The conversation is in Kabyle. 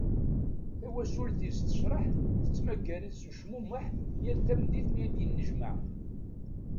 Tawacult-is tecreh, tettmagar-it s ucmumeḥ yal tameddit mi d-yennejmaɛ.